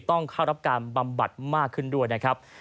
ต้องเข้ารับการบำบัดมากขึ้นด้วยนะครับ